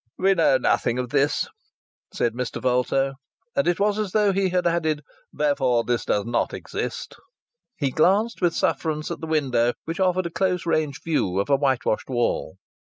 "We know nothing of this," said Mr. Vulto, and it was as though he had added: "Therefore this does not exist." He glanced with sufferance at the window, which offered a close range view of a whitewashed wall.